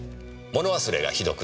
物忘れがひどくなる。